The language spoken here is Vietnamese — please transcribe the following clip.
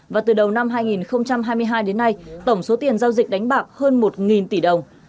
và từ đầu năm hai nghìn hai mươi hai đến nay tổng số tiền giao dịch đánh bạc hơn một tỷ đồng